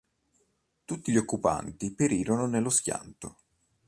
Tutti gli occupanti perirono nello schianto.